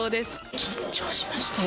緊張しました。